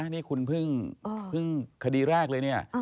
นี่คุณเพิ่งคดีแรกเลยเนี่ย